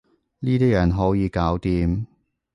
呢啲人好易搞掂